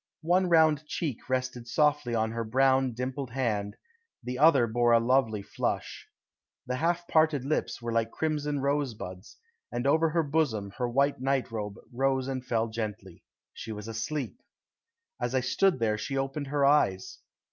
One round cheek rested softly on her brown, dimpled hand, the other bore a lovely flush. The half parted lips were like crimson rose buds, and over her bosom her white nightrobe rose and fell gently. She was asleep. As I stood there she opened her eyes.